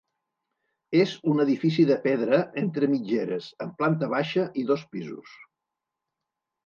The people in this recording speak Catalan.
És un edifici de pedra entre mitgeres amb planta baixa i dos pisos.